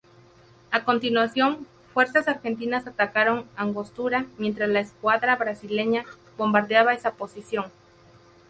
A continuación, fuerzas argentinas atacaron Angostura, mientras la escuadra brasileña bombardeaba esa posición.